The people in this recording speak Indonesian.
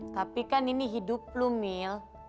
tapi kan ini hidup lu mil